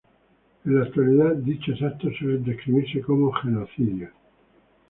En la actualidad, dichos actos suelen describirse como genocidios.